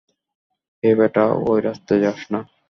এ বেটা, ওই রাস্তায় যাস না।